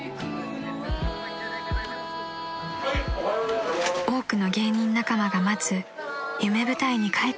［多くの芸人仲間が待つ夢舞台に帰ってきました］